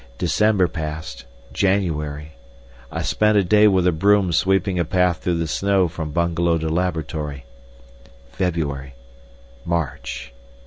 December passed, January—I spent a day with a broom sweeping a path through the snow from bungalow to laboratory—February, March.